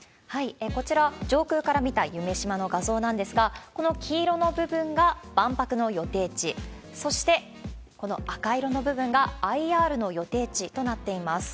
こちら、上空から見た夢洲の画像なんですが、この黄色の部分が万博の予定地、そして、この赤色の部分がＩＲの予定地となっています。